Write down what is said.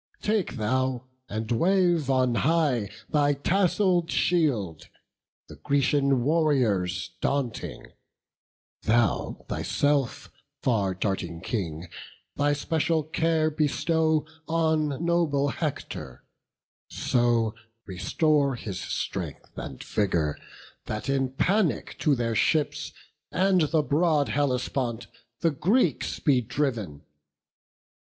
Take thou, and wave on high thy tassell'd shield, The Grecian warriors daunting: thou thyself, Far darting King, thy special care bestow On noble Hector; so restore his strength And vigour, that in panic to their ships, And the broad Hellespont, the Greeks be driv'n.